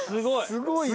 すごいよ。